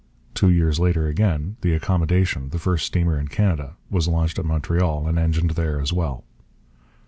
Two years later again the Accommodation, the first steamer in Canada, was launched at Montreal, and engined there as well.